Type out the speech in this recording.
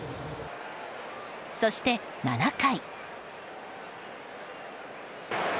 そして７回。